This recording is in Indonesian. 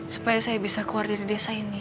supaya saya bisa keluar dari desa ini